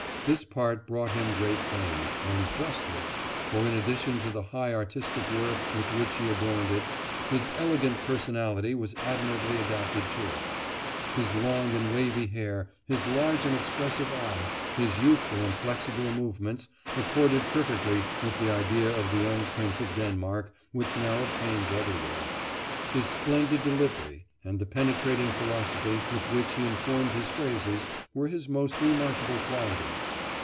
This part brought him great fame, and justly; for in addition to the high artistic worth with which he adorned it, his elegant personality was admirably adapted to it, His long and wavy hair, his large and expressive eye, his youthful and flexible movements, accorded perfectly with the ideal of the young prince of Denmark which now obtains everywhere. His splendid delivery, and the penetrating philosophy with which he informed his phrases, were his most remarkable qualities.